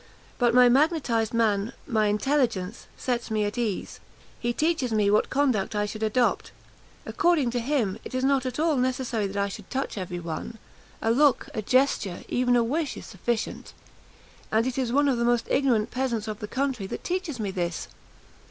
But my magnetised man my intelligence sets me at ease. He teaches me what conduct I should adopt. According to him, it is not at all necessary that I should touch every one; a look, a gesture, even a wish, is sufficient. And it is one of the most ignorant peasants of the country that teaches me this!